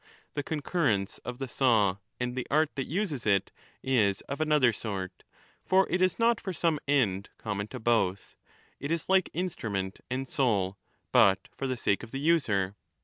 The concurrence of the saw and the art that uses it is of another sort ; for it is not for some end common to both — it is like instrument and soul — but for the sake of the user.